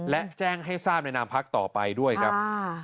และแจ้งให้ทราบในนามพักต่อไปด้วยครับ